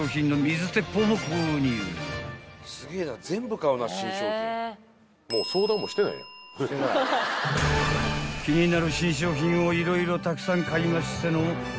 ［気になる新商品を色々たくさん買いましての］